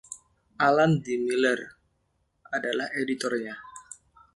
Alan D. Miller adalah editornya.